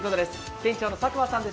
店長の佐久間さんです